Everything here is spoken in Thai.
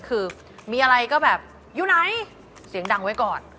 คือมีอะไรก็แบบอยู่ไหนเสียงดังไว้ก่อน